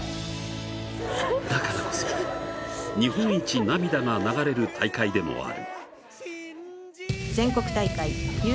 だからこそ日本一、涙が流れる大会でもある。